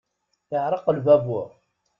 Iɣreq lbabur.